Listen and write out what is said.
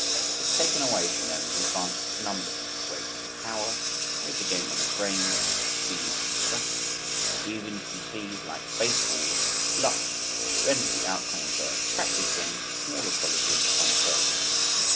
It has taken away from them the advantage of numbers, weight and power, made the game one of brains, speed and strategy even if you please like baseball, luck, rendered the outcome of their practice games with smaller colleges uncertain.